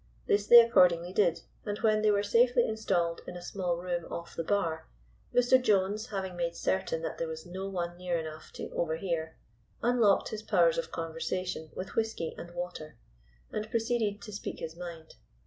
This they accordingly did, and when they were safely installed in a small room off the bar, Mr. Jones, having made certain that there was no one near enough to overhear, unlocked his powers of conversation with whisky and water, and proceeded to speak his mind.